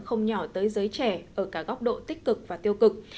không nhỏ tới giới trẻ ở cả góc độ tích cực và tiêu cực